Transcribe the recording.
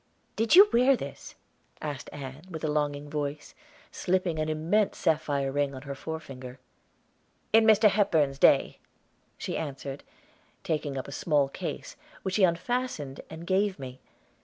"Did you wear this?" asked Ann with a longing voice, slipping an immense sapphire ring on her forefinger. "In Mr. Hepburn's day," she answered, taking up a small case, which she unfastened and gave me.